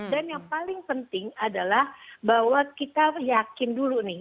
yang paling penting adalah bahwa kita yakin dulu nih